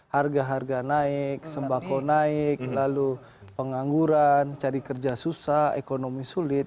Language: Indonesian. harga harga naik sembako naik lalu pengangguran cari kerja susah ekonomi sulit